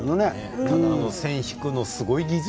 線を引くの、すごい技術。